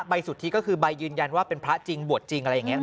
สุทธิก็คือใบยืนยันว่าเป็นพระจริงบวชจริงอะไรอย่างนี้